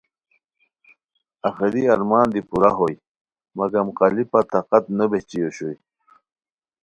آخری ارمان دی پورا ہوئے مگم قالیپہ طاقت نو بہچی اوشوئے